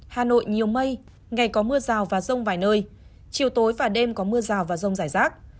hà nội nhiều mây ngày có mưa rào và rông vài nơi chiều tối và đêm có mưa rào và rông rải rác